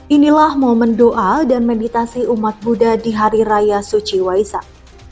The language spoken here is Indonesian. inilah momen doa dan meditasi umat buddha di hari raya suci waisak